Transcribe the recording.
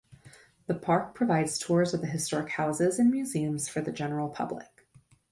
The park provides tours of the historic houses and museums for the general public.